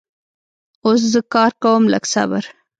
اوس زه کار کوم لږ صبر